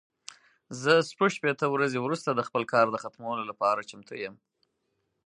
زه شپږ شپېته ورځې وروسته د خپل کار د ختمولو لپاره چمتو یم.